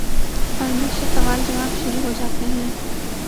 اور مجھ سے سوال جواب شروع ہو جاتے ہیں ۔